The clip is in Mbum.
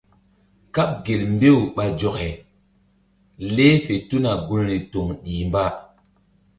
Kaɓ gel mbew ɓa zɔke leh fe tuna gunri toŋ ɗih mba.